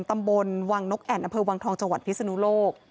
ตำบลวังนกแอ่นอวังทองจพิศนุโลก